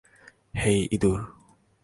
হেই, ইঁদুর!